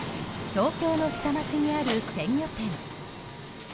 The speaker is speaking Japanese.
東京の下町にある鮮魚店。